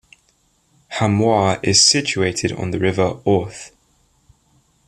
Hamoir is situated on the river Ourthe.